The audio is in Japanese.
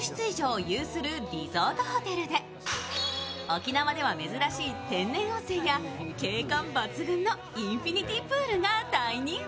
沖縄では珍しい天然温泉や景観抜群のインフィニティプールが大人気。